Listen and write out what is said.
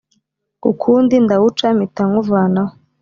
ukundi ndawuca mpita nkuvanaho